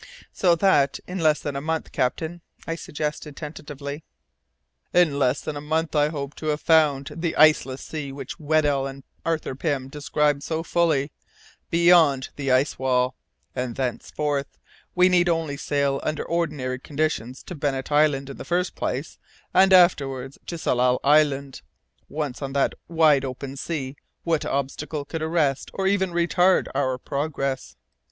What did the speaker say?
"So that, in less than a month, captain " I suggested, tentatively. "In less than a month I hope to have found the iceless sea which Weddell and Arthur Pym describe so fully, beyond the ice wall, and thenceforth we need only sail on under ordinary conditions to Bennet Island in the first place, and afterwards to Tsalal Island. Once on that 'wide open sea,' what obstacle could arrest or even retard our progress?"